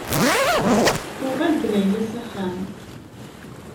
Tuɣal-d Layla s axxam.